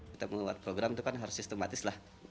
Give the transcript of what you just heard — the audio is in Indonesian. kita membuat program itu kan harus sistematis lah